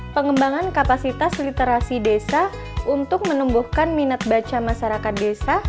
pengembangan kapasitas literasi desa untuk menumbuhkan minat baca masyarakat desa